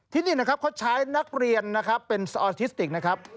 ที่นี่เข้าใช้นักเรียนเป็นสอธิสติกส์นะครับ